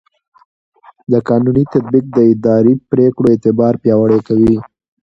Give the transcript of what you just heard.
د قانون تطبیق د اداري پرېکړو اعتبار پیاوړی کوي.